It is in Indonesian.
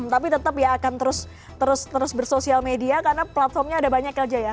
tapi tetap ya akan terus bersosial media karena platformnya ada banyak ljo ya